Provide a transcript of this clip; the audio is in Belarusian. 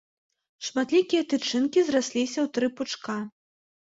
Шматлікія тычынкі зрасліся ў тры пучка.